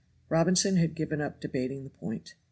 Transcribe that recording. Robinson had given up debating the point.